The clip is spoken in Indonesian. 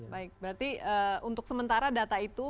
baik berarti untuk sementara data itu